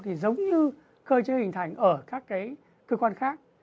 thì giống như cơ chế hình thành ở các cái cơ quan khác